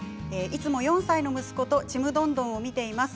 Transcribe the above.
いつも４歳の息子と「ちむどんどん」を見ています。